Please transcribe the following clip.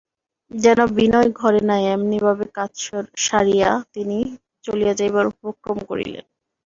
যেন বিনয় ঘরে নাই এমনি ভাবে কাজ সারিয়া তিনি চলিয়া যাইবার উপক্রম করিলেন।